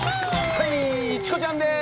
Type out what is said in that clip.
はいチコちゃんです。